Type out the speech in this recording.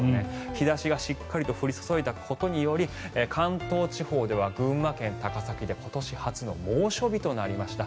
日差しがしっかりと降り注いだことにより関東地方では群馬県高崎で今年初の猛暑日となりました。